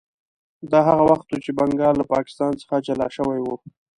دا هغه وخت و چې بنګال له پاکستان څخه جلا شوی و.